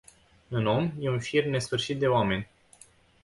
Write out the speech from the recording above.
În om e un șir nesfârșit de oameni.